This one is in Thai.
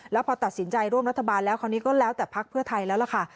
แล้วพอขอตัดสินใจเริ่มรัฐบาลคราวนี้ก็แล้วแต่พรรภ์เพื่อไทยแล้วละค่ะ